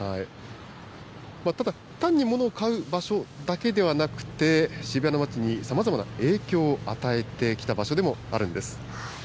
ただ、単にモノを買う場所だけではなくて、渋谷の街にさまざまな影響を与えてきた場所でもあるんです。